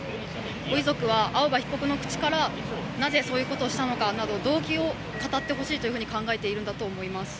ご遺族は青葉被告の口からなぜそんなことをしたのかなど動機を語ってほしいと考えているんだと思います。